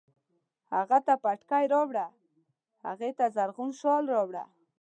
هغه ته پټکی راوړه، هغې ته زرغون شال راوړه